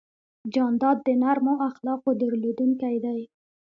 جانداد د نرمو اخلاقو درلودونکی دی.